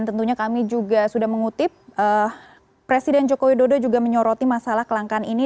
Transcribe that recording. dan tentunya kami juga sudah mengutip presiden jokowi dodo juga menyoroti masalah kelangkaan ini